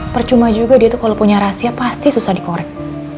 percuma juga dia tuh kalau punya rahasia pasti susah dikorek